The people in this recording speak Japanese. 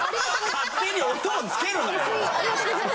勝手に音をつけるなよ